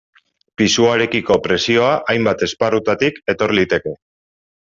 Pisuarekiko presioa hainbat esparrutatik etor liteke.